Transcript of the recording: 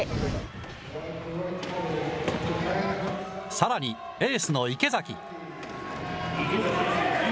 さらに、エースの池崎。